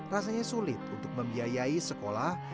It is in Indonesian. rasanya sulit untuk membiayai sekolah